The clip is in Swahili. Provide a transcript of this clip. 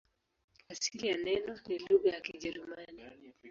Asili ya neno ni lugha ya Kijerumani.